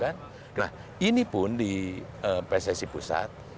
nah ini pun di pssi pusat